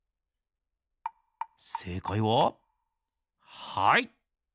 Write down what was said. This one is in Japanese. せいかいははい！